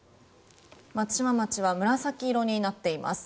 松島町は紫色になっています。